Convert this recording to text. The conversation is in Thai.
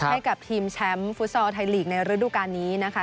ให้กับทีมแชมป์ฟุตซอลไทยลีกในฤดูการนี้นะคะ